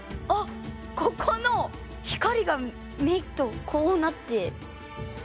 ここの光が目とこうなって。